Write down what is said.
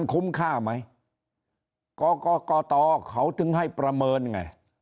คุ้มค่าไหมกกตเขาถึงให้ประเมินไง